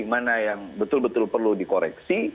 mana yang betul betul perlu dikoreksi